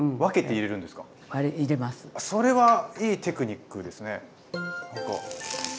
それはいいテクニックですね。